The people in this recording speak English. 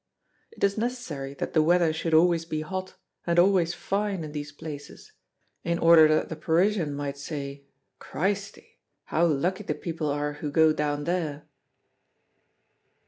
It is necessary that the weather should always be hot and always fine in these places, in order that the Parisian might say: 'Christi! how lucky the people are who go down there!'"